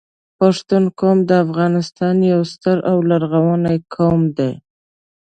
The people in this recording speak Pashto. پښتون قوم د افغانستان یو ستر او لرغونی قوم دی